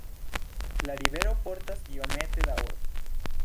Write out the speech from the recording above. La rivero portas iomete da oro.